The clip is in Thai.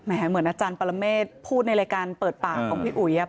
เหมือนอาจารย์ปรเมฆพูดในรายการเปิดปากของพี่อุ๋ย